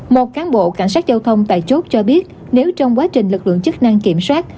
một cán bộ cảnh sát giao thông tại chốt cho biết nếu trong quá trình lực lượng chức năng kiểm soát